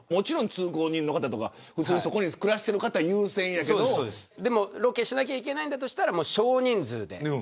通行人の方とかそこに暮らしている方優先やけどでも、ロケしなきゃいけないんだとしたら少人数で。